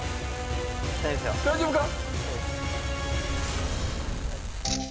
大丈夫か？